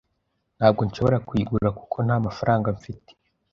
Ntabwo nshobora kuyigura kuko ntamafaranga mfite.